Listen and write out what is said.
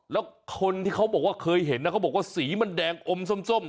แล้วคนที่เขาบอกว่าเคยเห็นนะเขาบอกว่าสีมันแดงอมส้ม